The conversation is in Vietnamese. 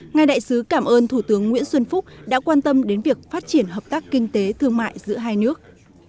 ngài đại sứ cảm ơn thủ tướng nguyễn xuân phúc đã quan tâm đến việc phát triển hợp tác kinh tế thương mại giữa hai nước